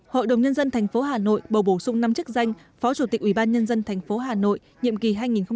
hội đồng nhân dân thành phố hà nội bầu bổ sung năm chức danh phó chủ tịch ubnd thành phố hà nội nhiệm kỳ hai nghìn một mươi sáu hai nghìn hai mươi một